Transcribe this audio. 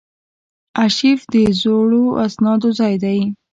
ارشیف د زړو اسنادو ځای دی